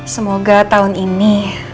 semoga tahun ini